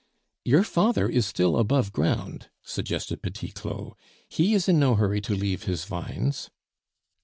"Your father is still above ground," suggested Petit Claud; "he is in no hurry to leave his vines."